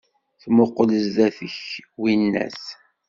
Ttmuqul zdat-k, winnat!